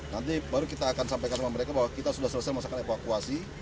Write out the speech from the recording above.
nanti baru kita akan sampaikan sama mereka bahwa kita sudah selesai masakan evakuasi